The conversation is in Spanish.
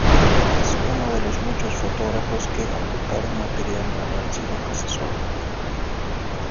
Es uno de los muchos fotógrafos que aportaron material al Archivo Casasola.